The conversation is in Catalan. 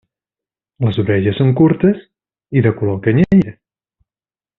Les orelles són curtes i de color canyella.